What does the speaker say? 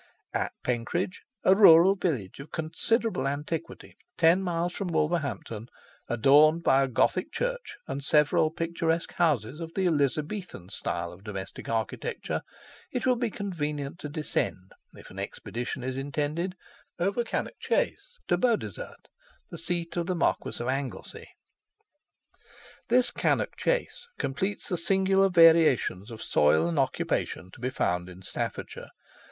At Penkridge, a rural village of considerable antiquity, ten miles from Wolverhampton, adorned by a Gothic Church, and several picturesque houses of the Elizabethan style of domestic architecture, it will be convenient to descend, if an expedition is intended, over Cannock Chase to Beaudesert, the seat of the Marquis of Anglesey. [THE RAILWAY NEAR PENKRIDGE: ill17.jpg] This Cannock Chase completes the singular variations of soil and occupation to be found in Staffordshire.